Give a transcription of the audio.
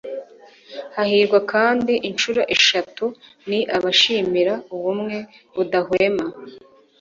hahirwa kandi inshuro eshatu ni abishimira ubumwe budahwema